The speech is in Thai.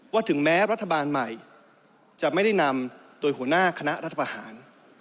ถึงแม้รัฐบาลใหม่จะไม่ได้นำโดยหัวหน้าคณะรัฐประหาร